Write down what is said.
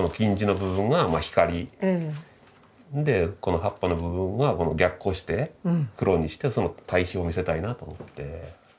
でこの葉っぱの部分が逆光して黒にしてその対比を見せたいなと思って。